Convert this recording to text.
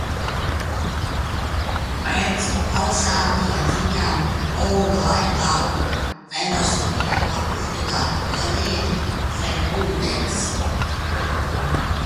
Pēc Pausānija ziņām plūdu laikā Fenosa bija appludināta pilnīgi zem ūdens.